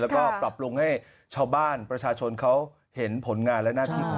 แล้วก็ปรับปรุงให้ชาวบ้านประชาชนเขาเห็นผลงานและหน้าที่ของ